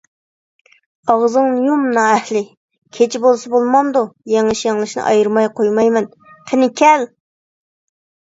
ئاغزىڭنى يۇم نائەھلى! كېچە بولسا بولمامدۇ، يېڭىش - يېڭىلىشنى ئايرىماي قويمايمەن، قېنى كەل!